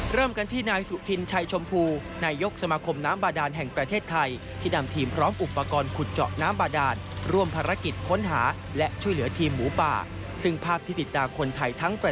เริ่มกันที่นายสุคินชัยชมพูนายกสมาคมน้ำบาดาลแห่งประเทศไทยที่นำทีมพร้อมอุปกรณ์ขุดเจาะน้ำบาดาลรวมภารกิจค้นหาและช่วยเหลือทีมหมูป่า